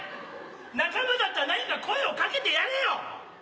仲間だったら何か声を掛けてやれよ！